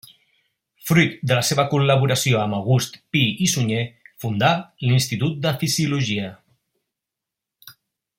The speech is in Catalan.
Fruit de la seva col·laboració amb August Pi i Sunyer, fundà l'Institut de Fisiologia.